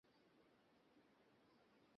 আমার নিজের পোলাপান রয়েছে।